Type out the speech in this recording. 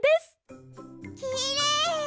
きれい！